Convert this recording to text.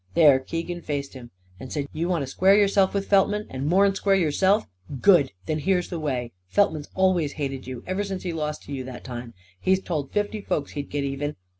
There Keegan faced him and said: "You want to square yourself with Feltman and more'n square yourself? Good. Then here's the way: Feltman's always hated you, ever since he lost to you that time. He's told fifty folks he'd get even.